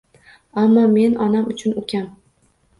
Аmmo men onam uchun ukam.